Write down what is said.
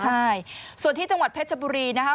ใช่ส่วนที่จังหวัดเพชรบุรีนะคะ